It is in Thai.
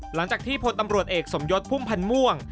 หลังจากที่พลตำรวจเอกสมยศพุ่มพันธ์ม่วง